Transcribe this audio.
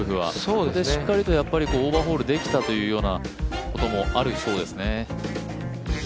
そこでしっかりとオーバーホールできたというようなこともあるそうですね。